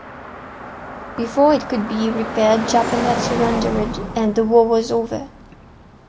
Before it could be repaired Japan had surrendered and the war was over.